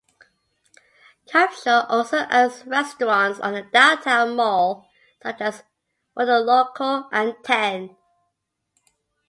Capshaw also owns restaurants on the Downtown Mall such as Mono Loco and Ten.